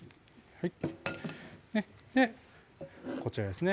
こちらですね